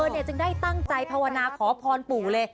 จึงได้ตั้งใจภาวนาขอพรปู่เลย